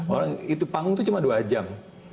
orang itu panggung itu cuma dua jam